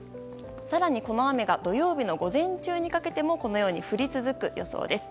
更に、この雨が土曜日の午前中にかけても降り続く予想です。